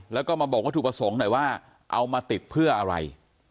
แล้วก็มาบอกวัตถุประสงค์หน่อยว่าเอามาติดเพื่ออะไร